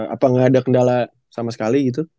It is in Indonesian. apa nggak ada kendala sama sekali gitu